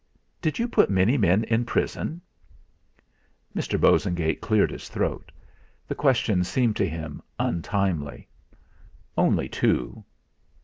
Did you put many men in prison?" Mr. Bosengate cleared his throat. The question seemed to him untimely. "Only two."